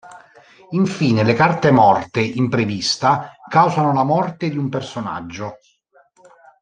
Infine le carte morte imprevista causano la morte di un personaggio.